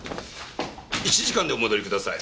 １時間でお戻りください。